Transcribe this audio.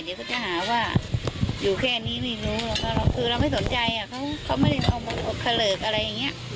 เดี๋ยวเขาจะหาว่าอยู่แค่นี้ไม่รู้หรอกคือเราไม่สนใจเขาไม่ได้เอามาเขลิกอะไรอย่างนี้